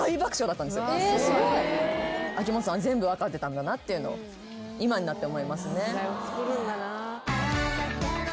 秋元さんは全部分かってたんだなっていうのを今になって思いますね。